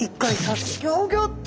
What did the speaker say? ギョギョッと。